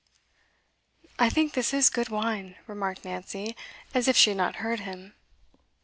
'I think this is good wine,' remarked Nancy, as if she had not heard him.